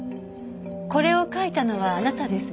これを書いたのはあなたですね。